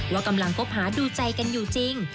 ว่ากำลังคบหาดูใจกันอยู่จริง